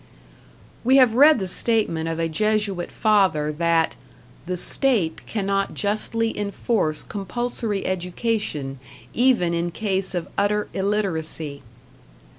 We have read the statement of a Jesuit father, that "the state cannot justly enforce compulsory education, even in case of utter illiteracy."